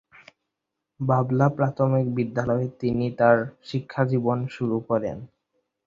বাবলা প্রাথমিক বিদ্যালয়ে তিনি তার শিক্ষাজীবন শুরু করেন।